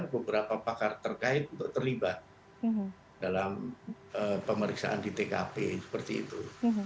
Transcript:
jadi beberapa pakar terkait terlibat dalam pemeriksaan di tkp seperti itu